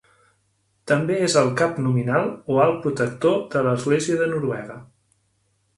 També és el cap nominal o Alt Protector de l'Església de Noruega.